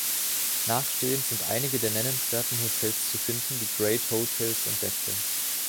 Nachstehend sind einige der nennenswerten Hotels zu finden, die „Great Hotels“ entdeckte.